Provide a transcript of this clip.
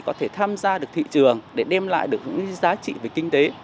có thể tham gia được thị trường để đem lại được những giá trị về kinh tế